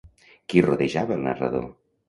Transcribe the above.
Qui rodejava el narrador?